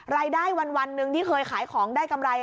รายได้วันหนึ่งที่เคยขายของได้กำไร